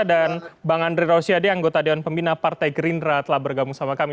dan bang andre rousyadi anggota dewan pembina partai green rad telah bergabung sama kami